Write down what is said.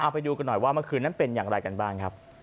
ไปดูกันหน่อยว่าเมื่อคืนนั้นเป็นอย่างไรกันบ้างครับ